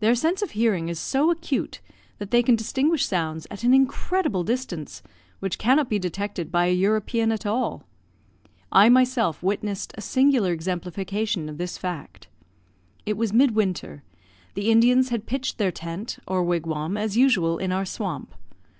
Their sense of hearing is so acute that they can distinguish sounds at an incredible distance, which cannot be detected by a European at all. I myself witnessed a singular exemplification of this fact. It was mid winter; the Indians had pitched their tent, or wigwam, as usual, in our swamp.